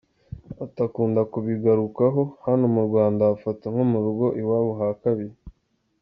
Ati “Akunda kubigarukaho, hano mu Rwanda ahafata nko mu rugo iwabo ha kabiri.